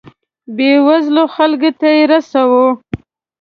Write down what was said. بیوزلو خلکو ته یې رسوو.